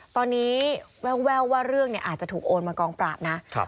ตอนนี้แววแววว่าเรื่องเนี้ยอาจจะถูกโอนมากองปราบนะครับ